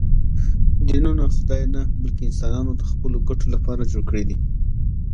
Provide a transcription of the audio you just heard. دینونه خدای نه، بلکې انسانانو د خپلو ګټو لپاره جوړ کړي دي